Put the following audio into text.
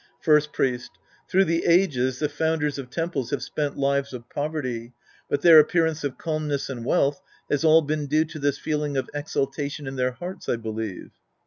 First Priest. Through the ages the founders of temples have spent lives of poverty, but their appear ance of calmness and wealth has all been due to this feeling of exultation in their hearts, I believe.